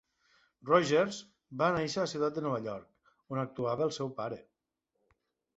Rogers va néixer a la ciutat de Nova York, on actuava el seu pare.